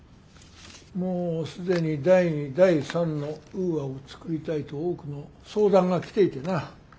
「もう既に第２第３のウーアを作りたいと多くの相談が来ていてな。